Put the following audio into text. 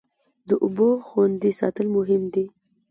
د اوبو خوندي ساتل مهم دی.